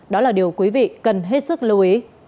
đó là điều quý vị cần hết sức lưu ý